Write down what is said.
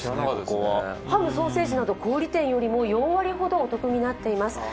ハム、ソーセージなど小売店より４割ほどお得になっています。